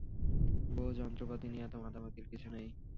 বোহ, যন্ত্রপাতি নিয়ে এত মাতামাতির কিছু নেই।